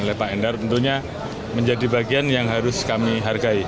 lepas endar tentunya menjadi bagian yang harus kami hargai